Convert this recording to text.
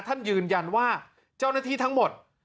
ท่านยืนยันว่าเจ้าหน้าที่ทั้งหมด